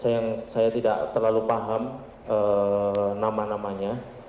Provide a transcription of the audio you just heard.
saya tidak terlalu paham nama namanya